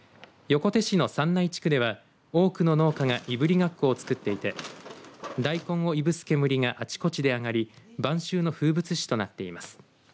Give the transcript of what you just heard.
横手市の山内地区では多くの農家がいぶりがっこを作っていて大根をいぶす煙があちこちで上がり晩秋の風物詩となっています。